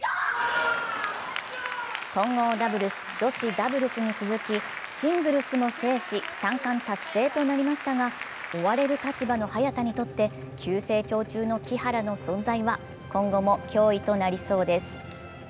混合ダブルス、女子ダブルスに続きシングルスも制し、３冠達成となりましたが追われる立場の早田にとって急成長中の木原の存在は今後も脅威となりそうです。